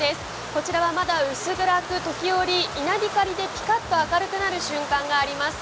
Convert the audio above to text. こちらはまだ薄暗く、時折、稲光でピカッと明るくなる瞬間があります。